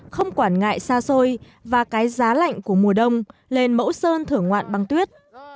không quản ngại xa xôi và cái giá lạnh của mùa đông lên mẫu sơn thở ngoạn băng tuyết